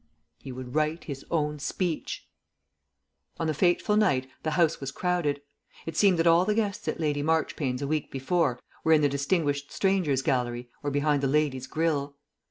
He would write his own speech. On the fateful night the House was crowded. It seemed that all the guests at Lady Marchpane's a week before were in the Distinguished Strangers' Gallery or behind the Ladies' Grille.